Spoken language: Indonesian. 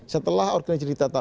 setelah organisasi ditata ulang